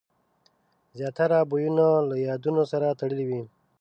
زیاتره بویونه له یادونو سره تړلي وي.